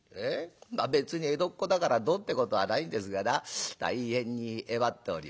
まあ別に江戸っ子だからどうってことはないんですがな大変にえばっておりまして。